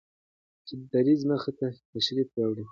چې د دريځ مخې ته تشریف راوړي